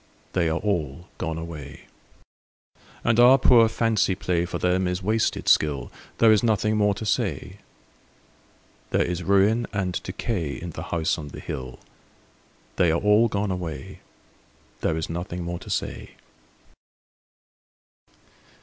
They are all gone away. And our poor fancy play For them is wasted skill: There is nothing more to say. There is ruin and decay In the House on the Hill They are all gone away, There is nothing more to say.